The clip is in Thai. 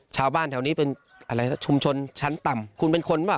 ชาวบ้านแถวนี้เป็นอะไรชุมชนชั้นต่ำคุณเป็นคนป่ะ